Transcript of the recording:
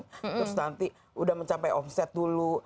terus nanti udah mencapai omset dulu